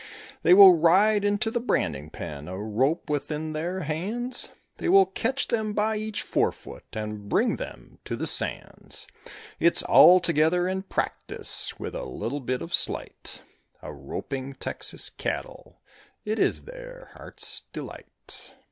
They will ride into the branding pen, a rope within their hands, They will catch them by each forefoot and bring them to the sands; It's altogether in practice with a little bit of sleight, A roping Texas cattle, it is their heart's delight.